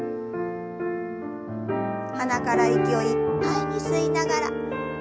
鼻から息をいっぱいに吸いながら腕を上に。